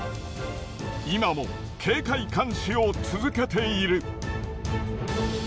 今も警戒監視を続けている。